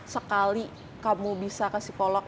sekali kamu bisa ke psikolog